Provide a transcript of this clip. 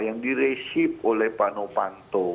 yang diresip oleh pak nopanto